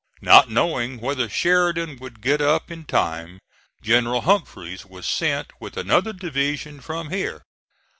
Not knowing whether Sheridan would get up in time, General Humphreys was sent with another division from here.